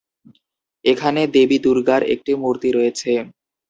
এখানে দেবী দুর্গার একটি মূর্তি রয়েছে।